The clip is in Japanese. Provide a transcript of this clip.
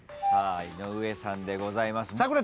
井上さんでございます。